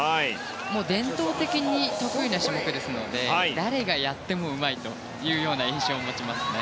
伝統的に得意な種目ですので誰がやってもうまいというような印象を持ちますね。